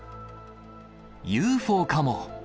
ＵＦＯかも。